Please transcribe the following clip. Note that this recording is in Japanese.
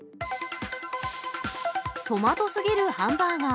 トマトすぎるハンバーガー。